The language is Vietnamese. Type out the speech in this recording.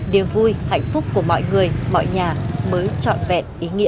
niềm vui hạnh phúc của mọi người mọi nhà mới trọn vẹn ý nghĩa